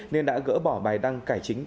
nên đã gỡ bỏ bài đăng cải chính